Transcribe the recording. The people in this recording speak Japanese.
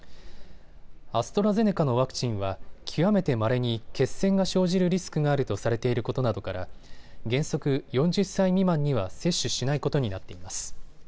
アストラゼネカのワクチンは極めてまれに血栓が生じるリスクがあるとされていることなどから原則４０歳未満には接種しないことになっています。